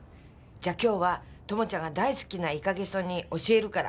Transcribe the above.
じゃあ今日はともちゃんが大好きなイカゲソ煮教えるから。